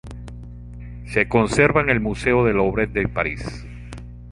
Se conserva en el Museo del Louvre de París.